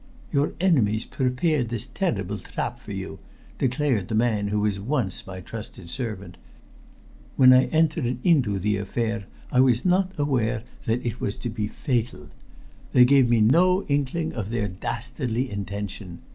"Your enemies prepared this terrible trap for you," declared the man who was once my trusted servant. "When I entered into the affair I was not aware that it was to be fatal. They gave me no inkling of their dastardly intention.